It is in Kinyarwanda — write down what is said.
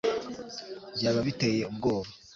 byaba biteye ubwoba